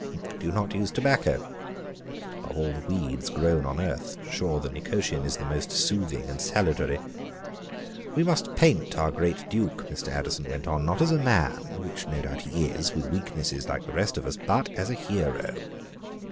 Do you not use tobacco? Of all the weeds grown on earth, sure the nicotian is the most soothing and salutary. We must paint our great Duke," Mr. Addison went on, "not as a man, which no doubt he is, with weaknesses like the rest of us, but as a hero.